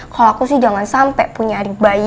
kalo aku sih jangan sampe punya adik bayi